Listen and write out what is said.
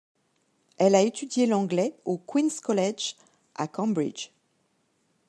Elle a étudié l'anglais au Queens' College, à Cambridge.